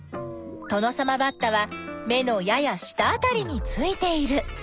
トノサマバッタは目のやや下あたりについている。